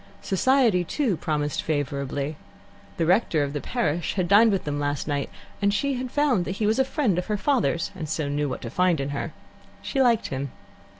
Society, too, promised favourably. The rector of the parish had dined with them last night, and she found that he was a friend of her father's, and so knew what to find in her. She liked him.